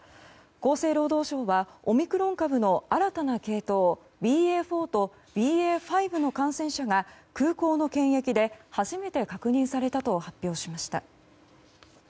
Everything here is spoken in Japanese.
厚生労働省はオミクロン株の新たな系統ＢＡ．４とＢＡ．５の感染者が空港の検疫で初めて確認されたと発表しました。